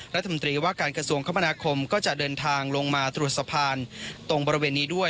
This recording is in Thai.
รัฐมนตรีว่าการกระทรวงคมนาคมก็จะเดินทางลงมาตรวจสะพานตรงบริเวณนี้ด้วย